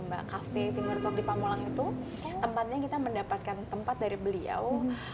mbak cafe finger talk di pamulang itu tempatnya kita mendapatkan tempat dari beliau